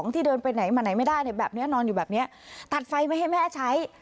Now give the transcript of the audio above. ที่เดินไปไหนมาไหนไม่ได้แบบนี้นอนอยู่แบบนี้ตัดไฟไม่ให้แม่ใช้